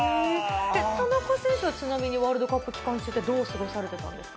田中選手はちなみにワールドカップ期間中はどう過ごされてたんですか。